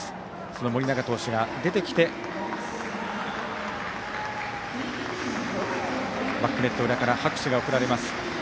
その盛永投手が出てきてバックネット裏から拍手が送られます。